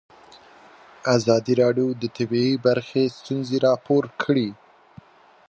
ازادي راډیو د طبیعي پېښې ستونزې راپور کړي.